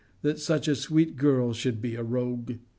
that such a sweet girl should be a rogue!